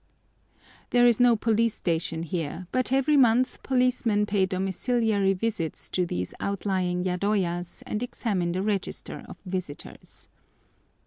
There is no police station here, but every month policemen pay domiciliary visits to these outlying yadoyas and examine the register of visitors.